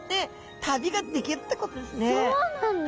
そうなんだ。